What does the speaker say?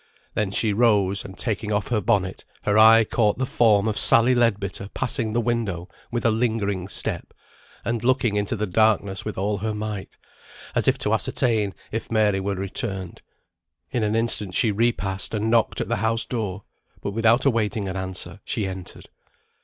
Then she rose, and taking off her bonnet, her eye caught the form of Sally Leadbitter passing the window with a lingering step, and looking into the darkness with all her might, as if to ascertain if Mary were returned. In an instant she re passed and knocked at the house door, but without awaiting an answer, she entered.